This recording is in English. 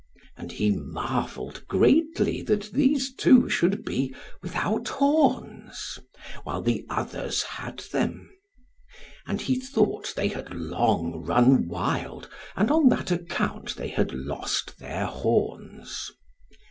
And he marvelled greatly that these two should be without horns, while the others had them. And he thought they had long run wild and on that account they had lost their horns.